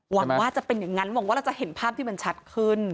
หวังว่าจะเป็นอย่างนั้นหวังว่าเราจะเห็นภาพที่มันชัดขึ้น